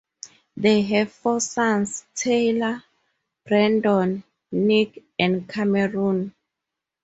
They have four sons, Tyler, Brandon, Nick and Cameron.